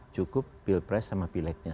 cukup pil pres sama pileknya